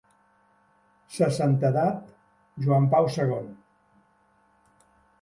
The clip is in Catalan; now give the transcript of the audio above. Sa Santedat Joan Pau segon.